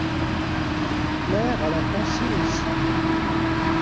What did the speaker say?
Claire à la pensée aussi.